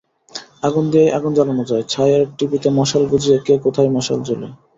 আগুন দিয়াই আগুন জ্বালানো যায়, ছাই-এর টিপিতে মশাল গুজিয়া কে কোথায় মশাল জুলে?